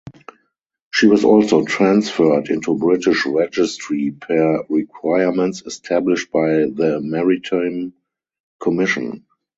She was also transferred into British registry per requirements established by the Maritime Commission.